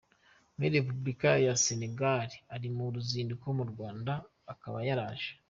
muri Repubulika ya Senegali, uri mu ruzinduko mu Rwanda akaba yaraje